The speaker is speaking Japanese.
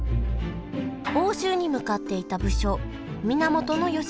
奥州に向かっていた武将源義家。